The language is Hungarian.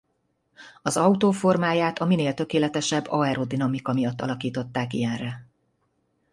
Az autó formáját a minél tökéletesebb aerodinamika miatt alakították ilyenre.